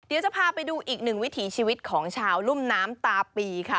เดี๋ยวจะพาไปดูอีกหนึ่งวิถีชีวิตของชาวรุ่มน้ำตาปีค่ะ